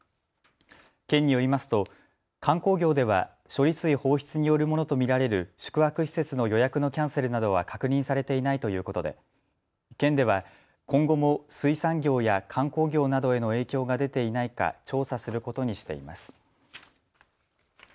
県によりますと観光業では処理水放出によるものと見られる宿泊施設の予約のキャンセルなどは確認されていないということで県では今後も水産業や観光業などへの影響が出ていないか調査することにしています。